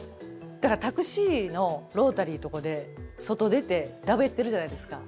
だからタクシーのロータリーとこで外出てだべってるじゃないですか。